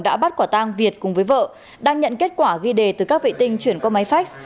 đã bắt quả tang việt cùng với vợ đang nhận kết quả ghi đề từ các vệ tinh chuyển qua máy fax